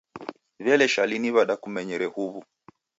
W'ele Shali ni w'ada kumenyere huw'u?